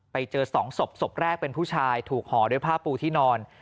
ไปเจอสองศพศพแรกเป็นผู้ชายถูกห่อด้วยผ้าปูที่นอน